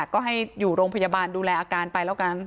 ก็ให้อยู่โรงพยาบาลดูแลอาการไปแล้วกัน